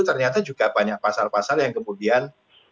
ternyata juga banyak pasal pasal yang kemudian